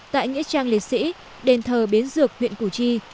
tại nghĩa trang liệt sĩ đền thờ bến dược huyện củ chi